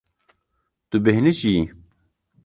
Tu bêhnijiyî.